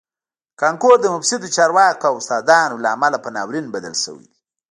کانکور د مفسدو چارواکو او استادانو له امله په ناورین بدل شوی دی